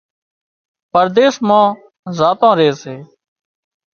پرديس مان زاتان ري سي